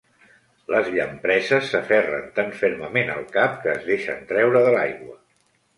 Les llampreses s'aferren tan fermament al cap que es deixen treure de l'aigua.